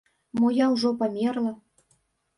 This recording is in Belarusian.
Мо я ўжо памерла?